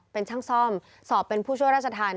เป็นช่างซ่อมสอบเป็นผู้ช่วยราชธรรม